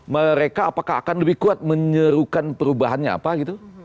mereka apakah akan lebih kuat menyerukan perubahannya apa gitu